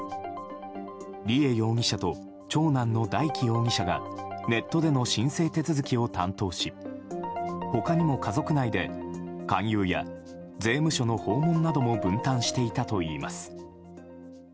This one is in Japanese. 梨恵容疑者と長男の大祈容疑者がネットでの申請手続きを担当し他にも家族内で勧誘や税務署の訪問なども分担していたといいます。